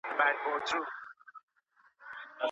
تر څو له وروستيو بدو عواقبو څخه وژغورل سئ.